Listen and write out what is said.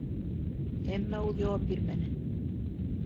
Әммә ул яуап бирмәне.